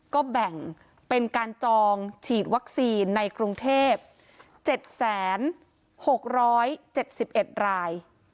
ก็แบ่งเป็นการจองฉีดวัคซีนในกรุงเทพ๗๖๗๑ราย